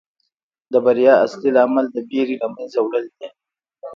د بریا اصلي لامل د ویرې له منځه وړل دي.